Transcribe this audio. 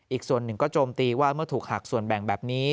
อีกส่วนหนึ่งก็โจมตีว่าเมื่อถูกหักส่วนแบ่งแบบนี้